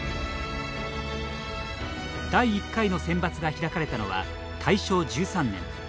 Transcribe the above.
第１回のセンバツが開かれたのは大正１３年。